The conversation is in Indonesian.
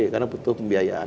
karena butuh pembiayaan